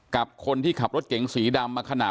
กับคนที่ขับรถเก๋งสีดำ